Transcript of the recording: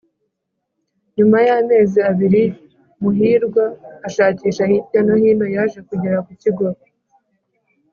nyuma y'amezi abiri muhirwa ashakisha hirya no hino yaje kugera ku kigo